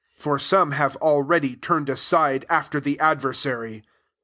15 For some have already tam ed aside after the adversary.